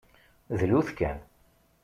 Dlut kan.